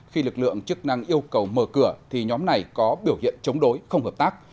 khi lực lượng chức năng yêu cầu mở cửa thì nhóm này có biểu hiện chống đối không hợp tác